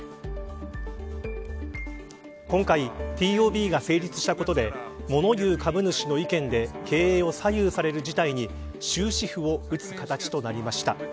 今回ＴＯＢが成立したことでもの言う株主の意見で経営を左右される事態に終止符を打つ形となりました。